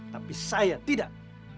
tapi saya tidak